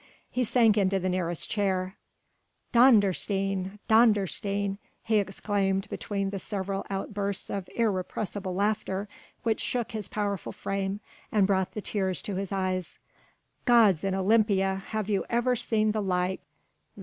He sank into the nearest chair: "Dondersteen! Dondersteen!" he exclaimed between the several outbursts of irrepressible laughter which shook his powerful frame and brought the tears to his eyes, "Gods in Olympia! have you ever seen the like?